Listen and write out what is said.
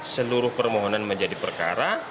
seluruh permohonan menjadi perkara